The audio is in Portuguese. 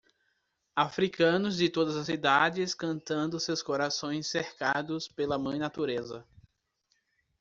Africanos de todas as idades cantando seus corações cercados pela mãe natureza.